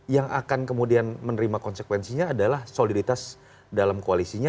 yang akan kemudian menerima konsekuensinya adalah soliditas dalam koalisinya